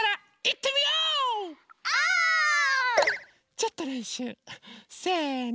ちょっとれんしゅう。せの。